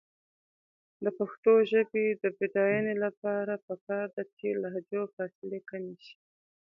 د پښتو ژبې د بډاینې لپاره پکار ده چې لهجو فاصلې کمې شي.